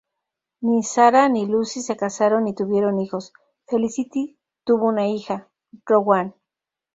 Ni Sarah ni Lucy se casaron ni tuvieron hijos; Felicity tuvo una hija, Rowan.